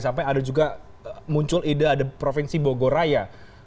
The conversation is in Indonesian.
sampai ada juga muncul ide ada provinsi bogoraya